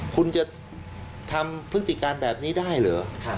คุณจะทำพฤติการแบบนี้ได้เหรอ